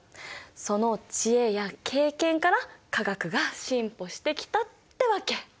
その知恵や経験から化学が進歩してきたってわけ。